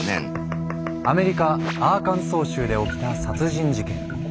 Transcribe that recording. アメリカアーカンソー州で起きた殺人事件。